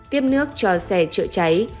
tiếp nước cho xe trợ cháy